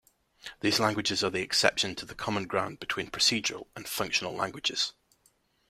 These languages are the exception to the common ground between procedural and functional languages.